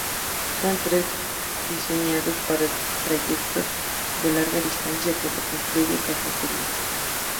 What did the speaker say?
Son trenes diseñados para trayectos de larga distancia, por lo que incluyen cafetería.